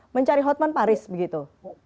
mencari hotman paris begitu